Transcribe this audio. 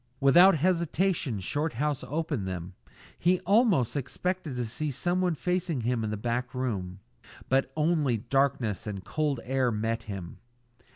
Without hesitation Shorthouse opened them. He almost expected to see someone facing him in the back room; but only darkness and cold air met him.